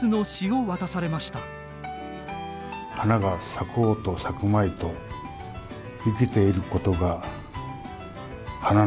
「花が咲こうと咲くまいと生きていることが花なんだ。